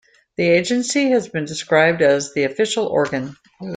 The agency has been described as the official organ.